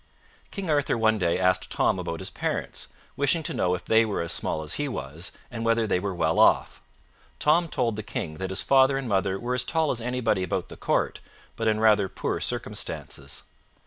King Arthur one day asked Tom about his parents, wishing to know if they were as small as he was, and whether they were well off. Tom told the King that his father and mother were as tall as anybody about the court, but in rather poor circumstances.